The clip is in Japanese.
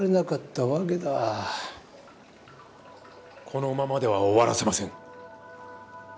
このままでは終わらせません！